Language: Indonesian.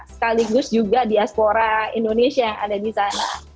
sekaligus juga diaspora indonesia yang ada di sana